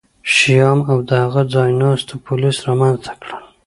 شیام او د هغه ځایناستو پولیس رامنځته کړل